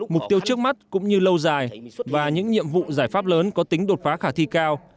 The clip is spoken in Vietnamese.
mục tiêu trước mắt cũng như lâu dài và những nhiệm vụ giải pháp lớn có tính đột phá khả thi cao